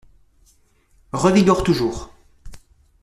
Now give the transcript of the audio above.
Revigore toujours